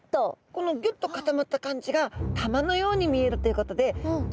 このギュッと固まった感じが玉のように見えるということでギョンズイ玉と呼ばれます。